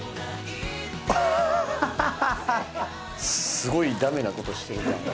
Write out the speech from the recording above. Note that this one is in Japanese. すごいダメなことしてる感